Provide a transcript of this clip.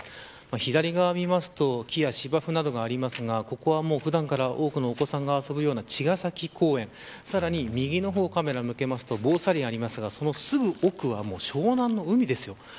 左側を見ると木や芝生などがありますが、ここは普段から多くのお子さんが遊ぶような茅ヶ崎公園右にカメラを向けると防風林がありますがそのすぐ横は湘南の海です。